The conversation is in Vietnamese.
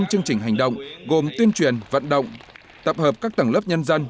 năm chương trình hành động gồm tuyên truyền vận động tập hợp các tầng lớp nhân dân